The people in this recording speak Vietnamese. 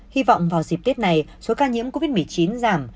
hy vọng vào dịp tết này số ca nhiễm covid một mươi chín giảm